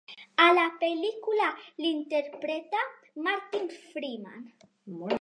A la pel·lícula l'interpreta Martin Freeman.